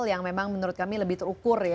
yang memang menurut kami lebih terukur ya